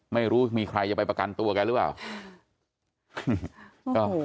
ไม่รู้มีใครจะไปประกันตัวแกหรือเปล่า